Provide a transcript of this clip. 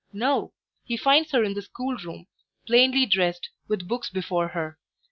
No: he finds her in the schoolroom, plainly dressed, with books before her.